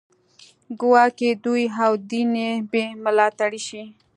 ګواکې دوی او دین بې ملاتړي شول